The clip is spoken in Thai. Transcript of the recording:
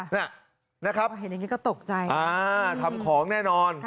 ค่ะถ้าเห็นอย่างนี้ก็ตกใจนะครับอ่าทำของแน่นอน